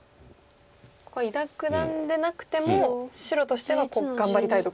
ここは伊田九段でなくても白としては頑張りたいところ。